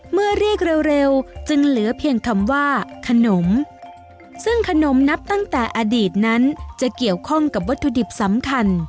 เรียกเร็วจึงเหลือเพียงคำว่าขนมซึ่งขนมนับตั้งแต่อดีตนั้นจะเกี่ยวข้องกับวัตถุดิบสำคัญ